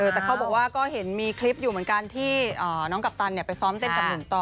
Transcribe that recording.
แต่เขาบอกว่าก็เห็นมีคลิปอยู่เหมือนกันที่น้องกัปตันไปซ้อมเต้นกับหนุ่มต่อ